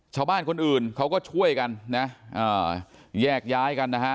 ชาวบ้านคนอื่นเขาก็ช่วยกันนะแยกย้ายกันนะฮะ